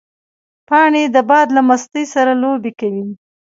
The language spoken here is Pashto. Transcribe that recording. پاڼې د باد له مستۍ سره لوبې کوي